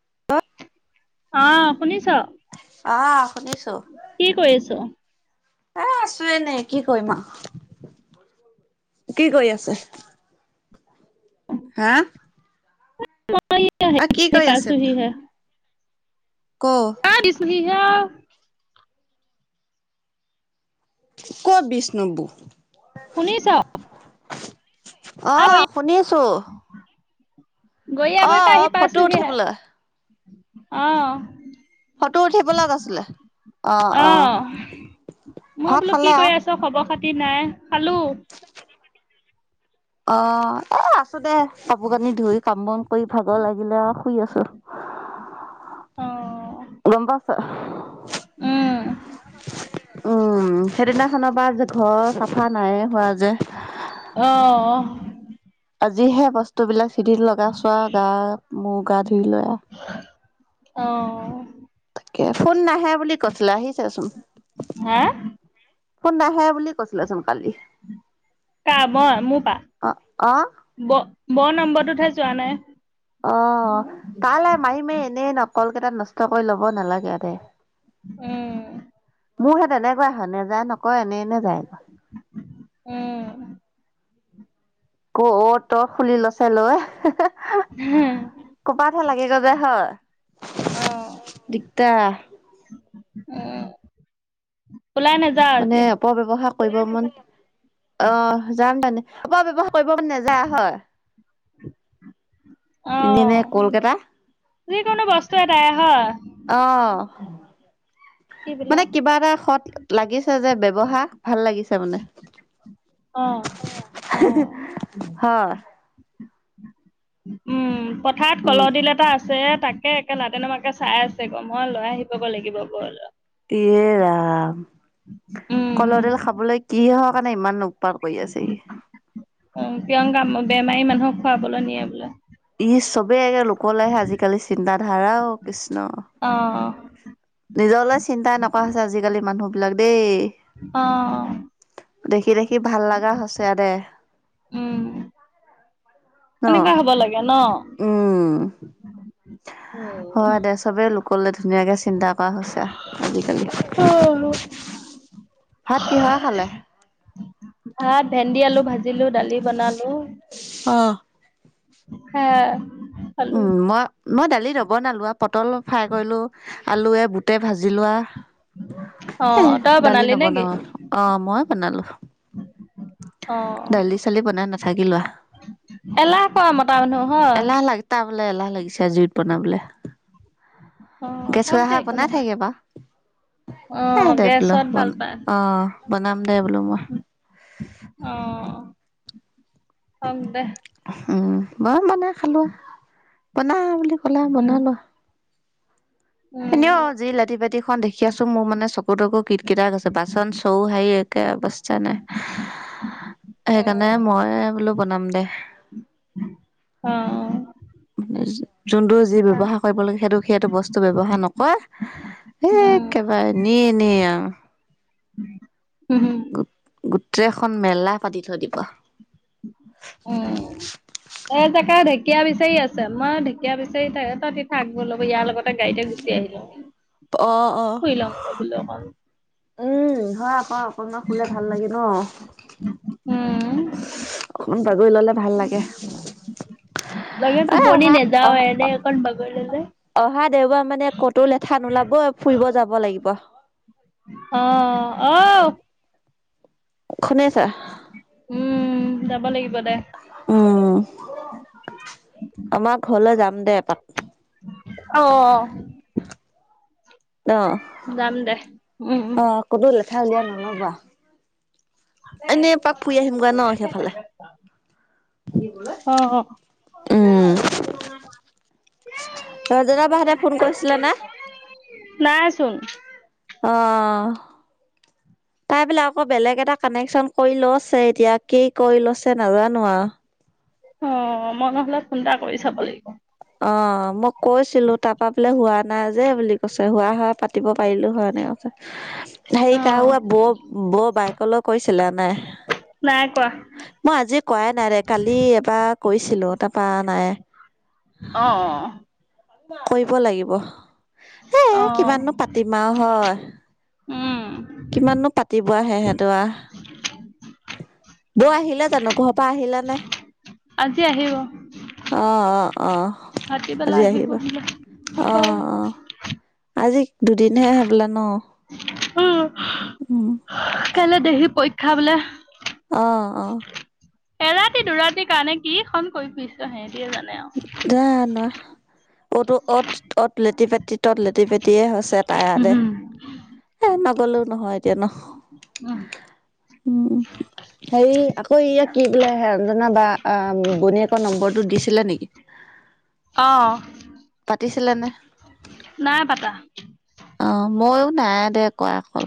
[unintelligible] অ শুনিছোঁ। অ শুনিছোঁ। কি কৰিছোঁ। এ আছো এনে কি কৰিম আৰু কি কৰি আছে। [inaudible] হা। মই অ কি হেৰি কৰি আছে। [unintelligible] পাইছোহিহে ক। [unintelligible] ক'ত বিষ্ণু বু। শুনিছোঁ। অ শুনিছোঁ। গৰীয়াবোৰিৰ অ আহি ফটো পাইছোঁ হিহে উঠিবলৈ অ। ফটো উঠিব [unintelligible] আছিলে অ, অ। মই ভাত বোলো কি খালে কৰি আও আছোঁ খবৰ খাতি নাই খালোঁ। [unintelligible] অ এ আছোঁ দে কাপোৰ কানি ধুই কাম বন কৰি ভাগৰ লাগিলে আৰু শুই আছোঁ। অ। গম পাইছে। উম উম সেইদিনাখনৰ পৰা যে ঘৰ চাফা নাইয়েই হোৱা যে। অহ। আজিহে বস্তু বিলাক চিধিল লগাইছোৱে আৰু গা মূৰ গা ধুই লৈ। অ। ফোন নাহে বুলি কৈছিলে আহিছেচোন হা ফোন নাহে বুলি। [unintelligible] কালি কা অ। ব-বৌৰ নম্বৰটোতহে যোৱা নাই। অ তালে মাৰি মাৰি এনেই নহ কোল কেইটা নষ্ট কৰি ল'ব নালাগে দে। উম। মোৰ হে তেনেকুৱা হয় নেযায় নকয় এনে এনে যায়। অ, ক অ তই খুলি লৈছে লৈ কপাতহে লাগে গ যে হয় দিগদাৰ। অ, ওলাই নায মানে অপব্যৱহাৰ কৰিব মন অ যাম মানে অপব্যৱহাৰ কৰিব নেযায় হয়। এনেই এনেই অ কলকাতা। যিকোনো বস্তু এটা এ হয়। অ, কি বোলে মানে কিবা এটা সৎ লাগিছে যে ব্যৱহাৰ ভাল লাগিছে মানে। অ অ হয়। উম, পথাৰত উম কলদিল এটা আছে তাকে লাতে নামাকে চাই আছে গ মই লৈ আহি পাব লাগিব গ লগ এে ৰাম উম কলহ তেল খাবলৈ কি হক কাৰণে ইমান [inaudible] অ, প্ৰিয়ংকা বেমাৰী মানুহক খুৱাবলৈ নিয়ে বোলে। ই চবে লোক ল আহে আজিকালি চিন্ত ধাৰাও কৃষ্ণ। অ, অ, নিজৰলে চিন্তাই নকৰা হৈছে আজিকালি মানুহ বিলাক দেই। অ, অ, দেখি দেখি ভাল লগা হৈছে দে। উম, ন এনেকুৱা হ'ব লাগে ন উম, হয় দে চবেই লোকলৈ ধুনীয়াকৈ চিন্তা কৰা হৈছে, আজিকালি। অ ভাত কিহ খালে? ভাত ভেন্দি আলু ভাজিলো দালি বনালো। অ [inaudible] উম, মই-মই দালি নবনালো আৰু পটল ফ্ৰাই কৰিলো। আলুৱে বুটে ভাজি লোৱা। অ এ তই দালি বনালি নেকি নবনাও অ মই বনালো। [unintelligible] অ, দালি চালি বনাই নাথাকি লোৱা এলাহ কৰা মতা মানুহ হ। কটা বলে এলাহ লাগিছে জুইত বনাবলে। অ হওক দে [inaudible] একো বনাই নহয় থাকে ব। অ [inaudible] বোলো গেছত ভাল পায় আহ বনাম দে বোলো মই। অ, হ'ক দে। উম, বই বনাই খালোৱা বনা বুলি ক'লে উম বনালোঁ। এনে উম অ যি লাতি পাতিখন দেখি আছোঁ মোৰ মানে চকু তকু কীট কিত আছে বাচন চৌ হাঁৰি একে অৱস্থা নাই সেইকাৰণে উম মই বোলো বনাম দে। অ, যোনটো যি ব্য্ৱহাৰ কৰিব লাগে সেইটো সেইটো বস্তু বয় ব্যৱহাৰ নকৰা এ উম একেবাৰে এনে এনে আৰু। উম গোটেইখন মেলা পাতি থৈ দিব। অ, এ, তাকে ঢেকীয়া বিচাৰি আছে মই ঢেঁকীয়া বিচাৰি তাক তই তিঠা আগবঢ় ল'ব ইয়াৰ লগত। গাড়ীতে গুচি আহি লম অ অ শুই লম বলো অকণ। উম, হয় আকৌ অকণমান খলে ভাল লাগে ন। উম অকণমান বাগৰি ল'লে ভাল লাগে। লাগে এ টোপনি অহা নাযাওঁৱে অহা এনে অকন বাগৰি ললে, অহা দেওবাৰ মানে ক'তো লেঠা নোলাব ফুৰিব যাব লাগিবই। অ', ঔ। শুনেছা? উম, যাব লাগিব দে। উম, আমাৰ ঘৰলৈ যাম দে এপাক। অ'। অ', যাম দে উম উম অ', ক'তো লেঠা উলিয়াই নল'বা। এনেই এপাক ফুৰি আহিমগৈ ন সেইফালে [unintelligible] অ' [unintelligible] ৰজেগা বাহঁতে ফোন কৰিছিলেনে? নাইচোন। অ'। [inaudible] তাই পেলাই আকৌ বেলেগ এটা কানেকশ্যন কৰি লৈছে এতিয়া। কি কৰি লৈছে নাজানো আৰু। অ', মই নহ'লে ফোন এটা কৰি চাব লাগিব। অ', মই কৈছিলো তাৰ পৰা বোলে হোৱা নাই যে বুলি কৈছে। হোৱা হোৱা পা পাতিব পাৰিলো হয় এনেকে কৈছে। হেৰি অ কাৰাবা বৌ বৌ বায়েকলৈ কৰিছিলে নে? নাই কৰা মই আজি কৰাই নাই ৰে। কালি এবাৰ কৰিছিলো। তাৰ পৰা নাই। অ', অ'। কৰিব লাগিব। হে অ', কিমাননো পাতিম আৰু হয়। উম, কিমাননো পাতিব আহে সিহঁতে আৰু। বৌ আহিলে জানো ঘৰৰ পৰা আহিলেনে? আজি আহিব। অ', অহ। ভাটি বেলা আহিব বোলে। অ'। আজি দুদিনহে হবলা ন? অ'। উম। কাইলৈ দেহিৰ পৰীক্ষা বোলে। অ', অ'। এৰাতি দুৰাতিৰ কাৰণে কি খন কৰি ফুৰিছে সেহেঁতিয়ে জানে আৰু। জানো অ'ত অ', অ'ত অ'ত লেটি-পেটি, ত'ত লেটি-পেটিয়ে হৈছে। তাই আহা দে। উম, এ নগ'লেও নহয় এতিয়া ন। উম। হেৰি আকৌ ইয়াত কি বোলে অঞ্জনা বা বনীয়েকৰ নম্বৰটো দিছিলে নেকি? অ'। পাতিছিলে নে? নাই পাতা। অ', ময়ো নাই দে কৰা কল।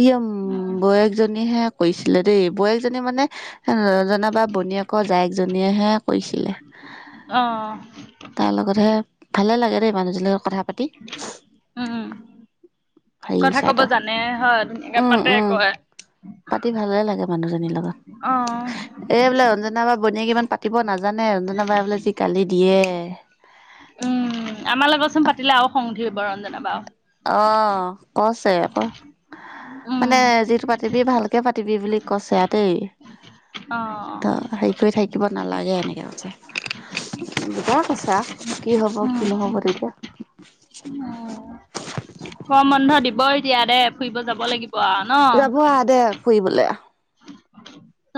ই এম উম, বৌয়েকজনীহে কৰিছিলে দেই। বৌয়েকজনী মানে ৰজনা বা বনীয়েকৰ জায়েকজনীয়েহে কৰিছিলে। অ'। তাৰ লগতহে। ভালে লাগে দেই। মানুহজনীৰ লগত কথা পাতি। উম, হেৰি চাইতৰ। মানে হয় ধুনীয়াকে পাতে, কয়। পাতি ভালে লাগে মানুহজনীৰ লগত। অ'। এই বোলে অঞ্জনা বাৰ বনীয়েকে ইমান পাতিব নাজানে। ৰঞ্জনাবাই বোলে যি গালি দিয়ে। উম। আমাৰ লগতচোন পাতিলে আৰু খং উঠিব ৰঞ্জনা বাৰ। অ কছে আকৌ উম, মানে যিটো পাতিবি ভাল তে পাতিবি বুলি কছেতেই ত অ', হেৰি কৰি থাকিব থাকিব নালাগে এনেকৈ হৈছে দুটাই কৈছে কি হব উম, কি নহব তেতিয়া গৰম বন্ধ দিবয়ে এতিয়া দে ফুৰিব যাব লাগিব আও ন? যাব আহ দে ফুৰিবলৈ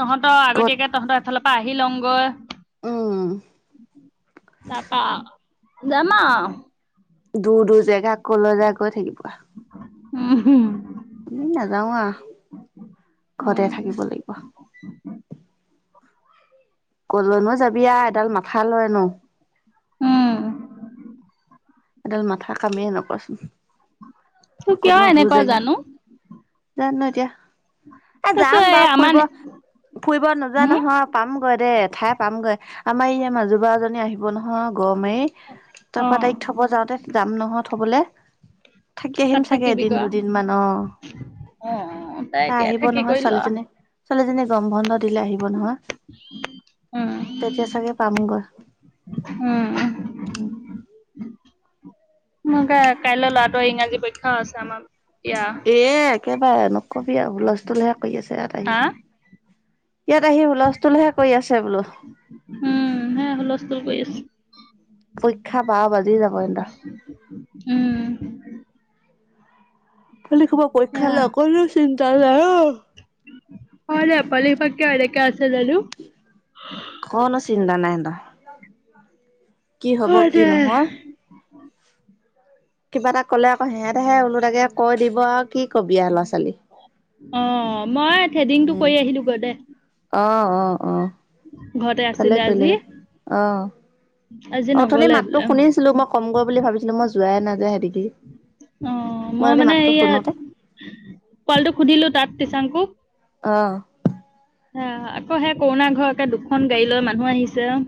তহঁতৰ আগতীয়াকে তহঁতৰ এফালৰ পৰা আহি লওঁগৈ উম তাপা যাম আও দূৰ দূৰ জেগা ক'লৈ যায় গৈ থাকিব উম হম উম নাযাও আ ঘৰতে উম, থাকিব লাগিব কলনো যাবি এডাল মাথা লয় ন উম এডাল মাথা কামেই নকয় তোৰ কিয় কতনো দূৰ এনেকুৱা জেগা জানো? যানো এতিয়া এ তাৰপিছত যাম এই বাৰু আমাৰ ফুৰিব ফুৰিব নোযোয়া হম, নহয় পামগৈ দেই এঠাই পামগৈ আমাৰ ইয়া মাজু বাজনী আহিব নহয় গৰ মাৰি তাপা অ', তাইক থব যাওঁতে যাম নহয় থবলৈ থাকি আহিম তাত চাগে এদিন থাকিবিগৈ আও। দুদিন মান অ অ', তই তাই এতিয়া আহিব থাকি নহয় কৰি ল' ছোৱালীজনী ছোৱালীজনী গৰম বন্ধ দিলে আহিব নহয় উম, তেতিয়া চাগে পামগৈ উম উম কাইলৈ ল'ৰাটোৰ ইংৰাজী পৰীক্ষাও আছে আমাৰ এয়া এ একেবাৰে নকবি আৰু হুলস্তূল হে কৰি আছে ইয়াত আহি হা ইয়াত আহি বোলা হুলস্তূলহে কৰি আছে বোলো উম সে কৰি আছো পৰীক্ষা বাৰ বাজি যাব এ উম লৰা ছোৱালীবোৰ সেয়া পৰীক্ষালৈ অকনমানো চিন্তা নাই অ হয় দে পোৱালিসোপা কিয় এনেকে আছে জানো অকনো চিন্তা নাই এহেতৰ কি হব হয় কি দে নহয় কিবা এটা ক'লে আকৌ সিহঁতেহে ওলো তাকে কৈ দিব আৰু কি কবি আৰু ল'ৰা ছোৱালী অ মই থ্ৰেডিং টো কৰি আহিলো গৈ দে আহ অ অ ঘৰতে ভালে আছিলে কৰিলি আজি দে আহ আজি অথনি নগলে মাততো বোলে শুনিছিলো মই কম গৈ বুলি ভাবিছিলো মই যোৱাই নাযায় হেদিকি অ মই মানে সেয়া পোৱালিটোক সুধিলো তাত টিচাংকো অ আহ আকৌ সেই কৰোণা ঘৰকে দুখন গাড়ী লৈ মানুহ আহিছে অ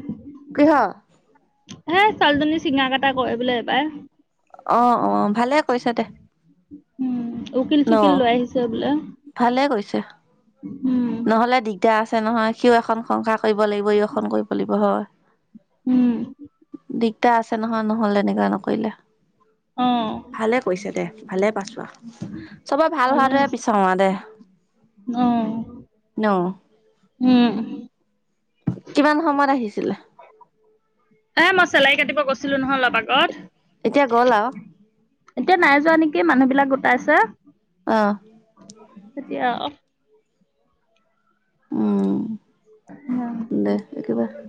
কিহৰ এ ছোৱালীজনি চিঙা কাটা কৰিবলে এবাৰ অ অ ভালে কৰিছে দে উম উকিল ন চুকিল লৈ আহিছে বোলে ভালে কৰিছে উম, নহলে দিগদাৰ আছে নহয় সিও এখন সংসাৰ কৰিব লাগিব ই এখন কৰিব লাগিব হয় উম, দিগদাৰ আছে নহয় নহলে তেনেকুৱা নকৰিলে অ', ভালে কৈছে দে ভালে পাইছোৱা চবৰে ভাল ভালে হোৱাটোয় হৈছে। বিছাৰো আ দে অ ন। উম কিমান সময়ত আহিছিলে এ মই চেলাউৰি কাটিব গৈছিলো নহয় লগত ক'ত, এতিয়া গ'ল আৰু এতিয়া নাই যোৱা নেকি মানুহ বিলাক গোটাইছে। অ', এতিয়া, উম্, উম, দে একেবাৰে,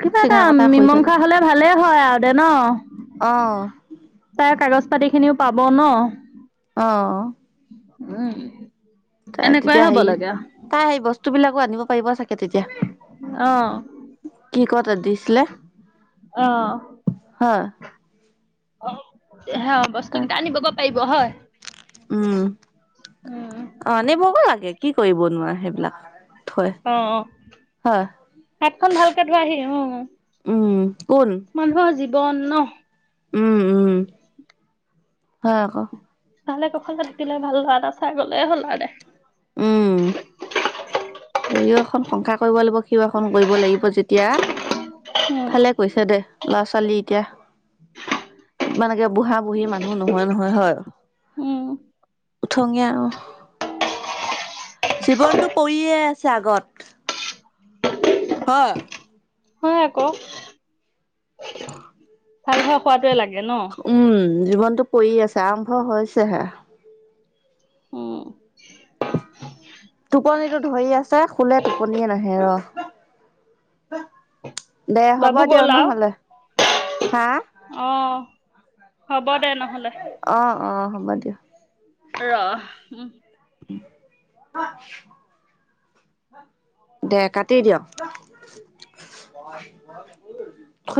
কিবা এটা মীমাংসা হ'লে ভালেই হয় আৰু দে ন। অ', তাই কাগজ পাতি খিনিও পাব ন। অ', উম্, তাই তেতিয়া হেৰি, তাই সেই বস্তু বিলাকো আনিব পাৰিব চাগে। তেতিয়া অ', কি ক'ত দিছিলে, অ'। হয়, অ', হয়, বস্তু কেইটা আনিবগৈ পাৰিব হয়। উম্, উম্, অ', আনিবগৈ লাগে, কি কৰিব নো সেইবিলাক। থৈ অ', অ', হয়, হাতখন ভালকে ধোৱাহি অ', উম্, কোন? মানুহৰ জীৱন ন। উম্, উম্, হয় আকৌ। তাহলে কখলকে থাকিলে ভাল ল'ৰা এটা চাই গলে হ'ল আৰু দে উম্, দুয়ো এখন সংসাৰ কৰিব লাগিব। সিও এখন কৰিব লাগিব যেতিয়া, উম, ভালে কৈছে দে ল'ৰা ছোৱালী এতিয়া। ইমান একে বুঢ়া-বুঢ়ী মানুহ নহয় নহয় হয়। উম্, উঠঙে আৰু জীৱনতটো পৰিয়ে আছে আগত। অ', হয় আকৌ। ভাল হৈ খোৱাটোৱে লাগে ন। উম্, জীৱনটো পৰি আছে, আৰম্ভ হৈছেহে। উম্, টোপনিতো ধৰি আছে, শুলে টোপনিয়ে নাহে ৰ। দে হ'ব বাবু গ'ল দিয়ক আৰু? নহ'লে, হা- অ', হ'ব দে নহ'লে। অ', অ', হ'ব দিয়ক। ৰ, উম্, অ', দে কাটি দিয়ক।